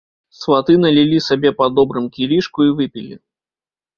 Сваты налілі сабе па добрым кілішку і выпілі.